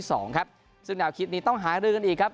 ที่สองครับซึ่งแนวคิดนี้ต้องหาเรื่องกันอีกครับ